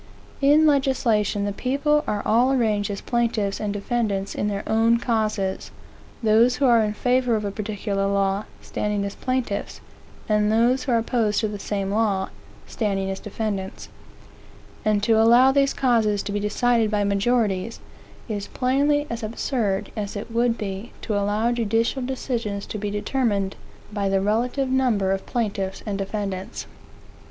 In legislation, the people are all arranged as plaintiff's and defendants in their own causes; (those who are in favor of a particular law, standing as plaintiff's, and those who are opposed to the same law, standing as defendants); and to allow these causes to be decided by majorities, is plainly as absurd as it would be to allow judicial decisions to be determined by the relative number of plaintiffs and defendants.